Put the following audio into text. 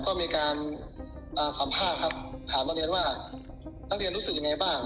ก็มีการอ่าความภาคครับถามนักเรียนว่านักเรียนรู้สึกยังไงบ้าง